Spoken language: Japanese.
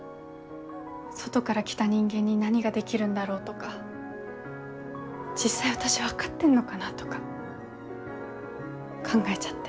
外から来た人間に何ができるんだろうとか実際私分かってんのかなとか考えちゃって。